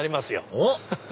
おっ！